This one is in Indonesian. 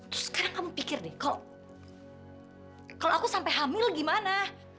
terus sekarang kamu pikir nih kok kalau aku sampai hamil gimana